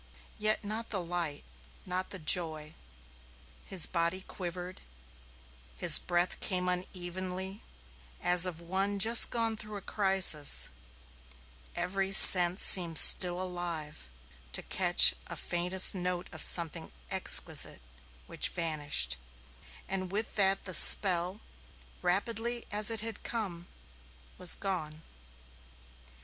Yet not the light, not the joy. His body quivered; his breath came unevenly, as of one just gone through a crisis; every sense seemed still alive to catch a faintest note of something exquisite which vanished; and with that the spell, rapidly as it had come, was gone.